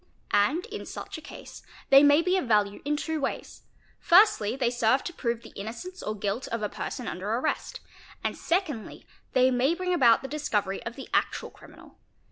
And in such a case they may be of value in two ways; firstly they serve to prove the innocence or guilt of a person under arrest, and secondly they may bring about the discovery of the actual criminal.